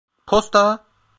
Posta!